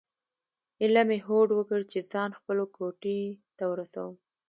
ایله مې هوډ وکړ چې ځان خپلو کوټې ته ورسوم.